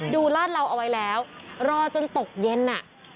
ดูราศม์เราเอาไว้แล้วรอจนตกเย็นน่ะ